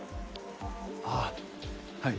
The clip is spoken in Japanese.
ああはい。